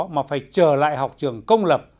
mà phải trở lại học trường công lập